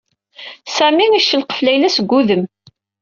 Sami icelqef Layla seg udem.